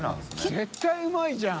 絶対うまいじゃん！